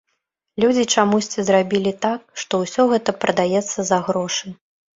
Людзі чамусьці зрабілі так, што ўсё гэта прадаецца за грошы.